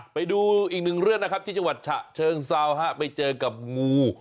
ไปดูอีกหนึ่งเรื่องนะครับที่จังหวัดฉะเชิงเซาฮะไปเจอกับงู